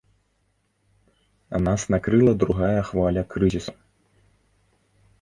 Нас накрыла другая хваля крызісу.